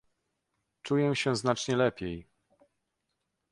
"Czuję się znacznie lepiej."